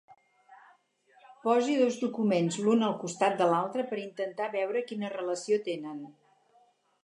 Posi dos documents l'un al costat de l'altre per intentar veure quina relació tenen.